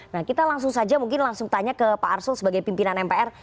nah kita langsung saja mungkin langsung tanya ke pak arsul sebagai pimpinan mpr